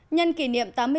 nhân dân thành phố hà nội